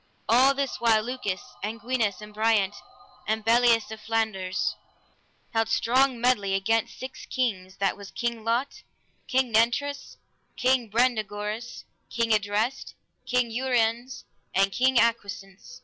All this while Lucas, and Gwinas, and Briant, and Bellias of Flanders, held strong medley against six kings, that was King Lot, King Nentres, King Brandegoris, King Idres, King Uriens, and King Agwisance.